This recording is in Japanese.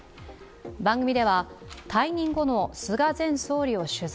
番組では退任後の菅前総理を取材。